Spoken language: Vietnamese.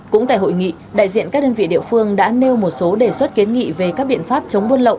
cũng tại hội nghị đại diện các đơn vị địa phương đã nêu một số đề xuất kiến nghị về các biện pháp chống buôn lậu